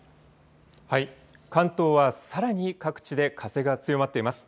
関東はさらに各地で風が強まっています。